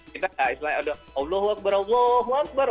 kita gak istilahnya udah allah wa akbar allah wa akbar